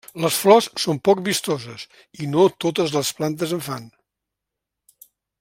Les flors són poc vistoses i no totes les plantes en fan.